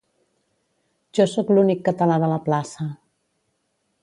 Jo sóc l'únic català de la plaça